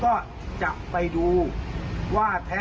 ก็ต้องปลลูกมา